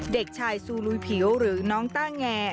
เด็กชายซูลุยผิวหรือน้องต้าแง